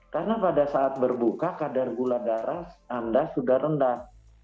karena pada saat berbuka kadar gula darah anda sudah rendah